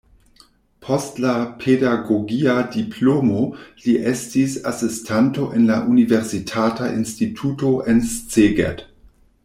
Post la pedagogia diplomo li estis asistanto en la universitata instituto en Szeged.